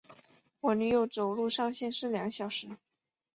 我女友走路上限是两小时